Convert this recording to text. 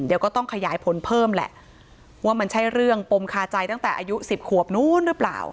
เดี๋ยวก็ต้องขยายผลเพิ่มแหละว่ามันใช่เรื่องปมคาใจตั้งแต่อายุ๑๐ขวบนู้นหรือเปล่า